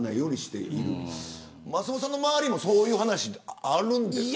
松本さんの周りもそういう話ってあるんですか。